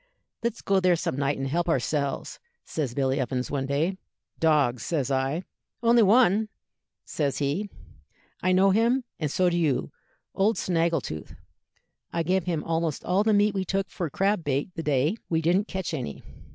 'Let's go there some night and help ourselves,' says Billy Evans, one day. 'Dogs,' says I. 'Only one,' says he; 'I know him, and so do you old Snaggletooth; I gave him almost all the meat we took for crab bait the day we didn't catch any.'